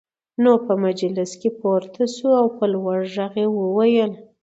نو په مجلس کې پورته شو او په لوړ غږ يې وويل: